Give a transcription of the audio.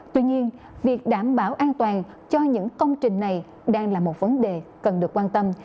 tuy nhiên việc đảm bảo an toàn cho những công trình này đang là một vấn đề cần được quan tâm